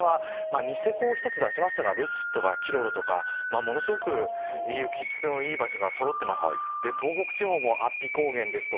ニセコを出しましたが留寿都とかキロロとかものすごく雪質のいい場所がそろっています。